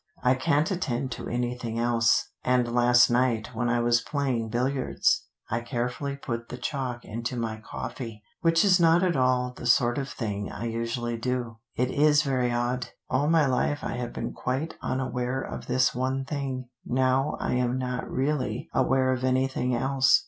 I can't attend to anything else, and last night when I was playing billiards I carefully put the chalk into my coffee, which is not at all the sort of thing I usually do. It is very odd: all my life I have been quite unaware of this one thing, now I am not really aware of anything else.